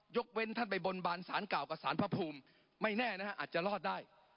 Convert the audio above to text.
เว้นท่านไปบนบานสารเก่ากับสารพระภูมิไม่แน่นะฮะอาจจะรอดได้